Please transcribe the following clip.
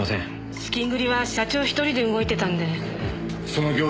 資金繰りは社長１人で動いてたので。